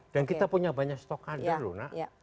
dan kita punya banyak stok kader loh nak